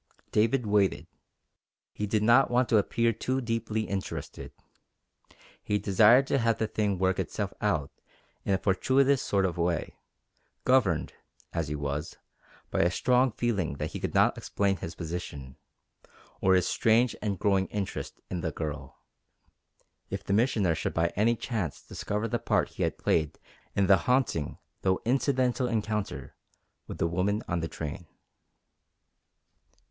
David waited. He did not want to appear too deeply interested. He desired to have the thing work itself out in a fortuitous sort of way, governed, as he was, by a strong feeling that he could not explain his position, or his strange and growing interest in the Girl, if the Missioner should by any chance discover the part he had played in the haunting though incidental encounter with the woman on the train.